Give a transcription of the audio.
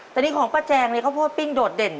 แต่นี่ของป้าแจงเนี่ยข้าวโพดปิ้งโดดเด่น